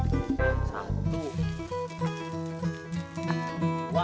kita atur lagi